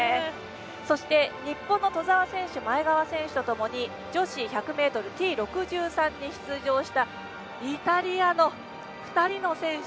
そして日本の兎澤選手、前川選手とともに女子１００ｍＴ６３に出場したイタリアの２人の選手。